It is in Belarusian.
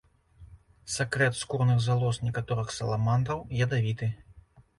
Сакрэт скурных залоз некаторых саламандраў ядавіты.